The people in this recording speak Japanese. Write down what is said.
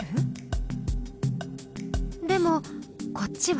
でもこっちは？